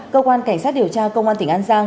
cơ quan cảnh sát điều tra công an tỉnh an giang